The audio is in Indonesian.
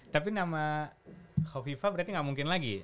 tapi nama hovifah berarti gak mungkin lagi